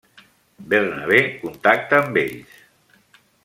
Bernabé contacta amb ells.